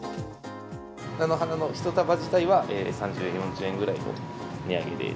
菜の花の１束自体は３０円、４０円ぐらいの値上げです。